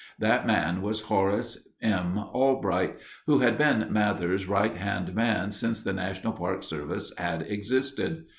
That man was Horace M. Albright, who had been Mather's right hand man since the National Park Service had existed.